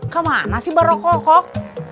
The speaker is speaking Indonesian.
ke mana sih barok kokok